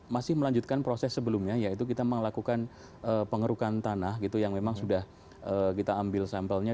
masih melanjutkan proses sebelumnya yaitu kita melakukan pengerukan tanah gitu yang memang sudah kita ambil sampelnya